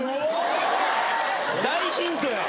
大ヒントや！